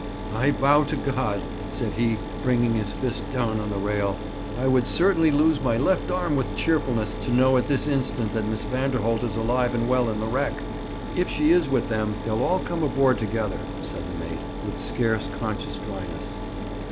'I vow to God,' said he, bringing his fist down on the rail, 'I would certainly lose my left arm with cheerfulness to know at this instant that Miss Vanderholt is alive and well in the wreck!' 'If she is with them they'll all come aboard together,' said the mate, with scarce conscious dryness.